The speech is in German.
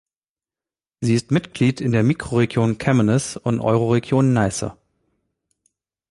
Sie ist Mitglied in der Mikroregion Kamenice und Euroregion Neiße.